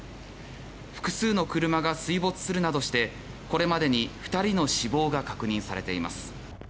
複数の車が水没するなどしてこれまでに２人の死亡が確認されています。